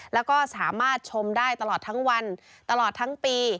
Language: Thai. แล้วก็สามารถชมได้ตลอดทั้งวันตลอดทั้งปี